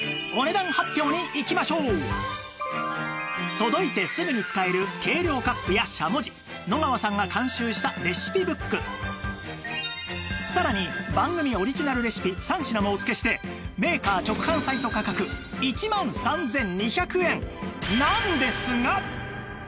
届いてすぐに使える軽量カップやしゃもじ野川さんが監修したレシピブックさらに番組オリジナルレシピ３品もお付けしてメーカー直販サイト価格１万３２００円